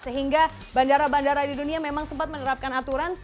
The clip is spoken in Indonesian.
sehingga bandara bandara di dunia memang sempat menerapkan aturan